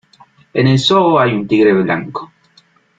En el zoo hay un tigre blanco.